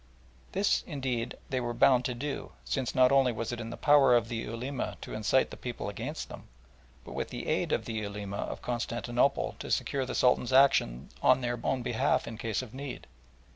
This, indeed, they were bound to do, since not only was it in the power of the Ulema to incite the people against them, but with the aid of the Ulema of Constantinople to secure the Sultan's action on their own behalf in case of need.